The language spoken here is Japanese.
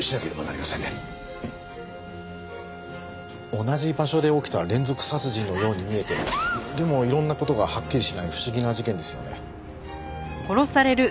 同じ場所で起きた連続殺人のように見えてでもいろんな事がはっきりしない不思議な事件ですよね。